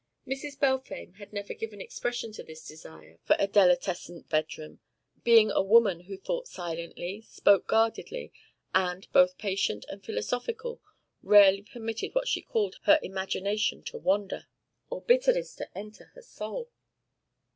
Mrs. Balfame had never given expression to this desire for a delitescent bedroom, being a woman who thought silently, spoke guardedly, and, both patient and philosophical, rarely permitted what she called her imagination to wander, or bitterness to enter her soul.